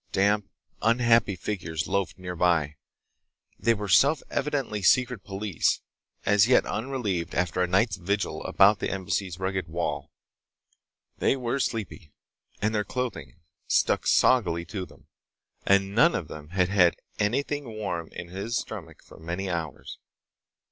Damp, unhappy figures loafed nearby. They were self evidently secret police, as yet unrelieved after a night's vigil about the Embassy's rugged wall. They were sleepy and their clothing stuck soggily to them, and none of them had had anything warm in his stomach for many hours.